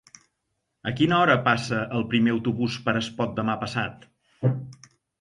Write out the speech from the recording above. A quina hora passa el primer autobús per Espot demà passat?